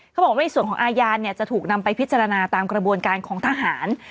เขาบอกว่าในส่วนของอาญาเนี่ยจะถูกนำไปพิจารณาตามกระบวนการของทหาร